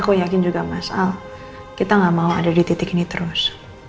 aku yakin juga mas al kita gak mau ada di titik ini terus